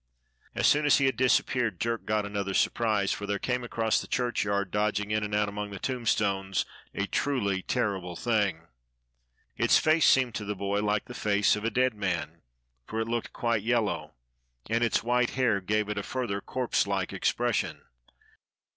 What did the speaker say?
As soon as he had disappeared Jerk got another sur prise, for there came across the churchyard, dodging in and out among the tombstones, a truly terrible thing. Its face seemed to the boy like the face of a dead man, for it looked quite yellow, and its white hair gave it a 62 DOCTOR SYN further corpselike expression.